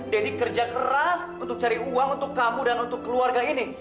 deddy kerja keras untuk cari uang untuk kamu dan untuk keluarga ini